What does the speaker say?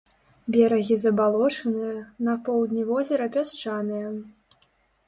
Берагі забалочаныя, на поўдні возера пясчаныя.